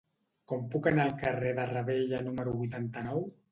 Com puc anar al carrer de Ravella número vuitanta-nou?